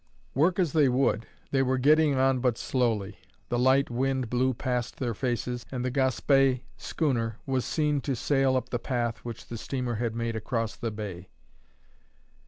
Work as they would, they were getting on but slowly. The light wind blew past their faces, and the Gaspé schooner was seen to sail up the path which the steamer had made across the bay.